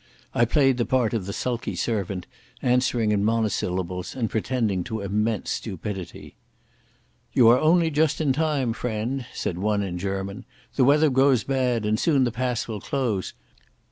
I played the part of the sulky servant, answering in monosyllables and pretending to immense stupidity. "You are only just in time, friend," said one in German. "The weather grows bad and soon the pass will close.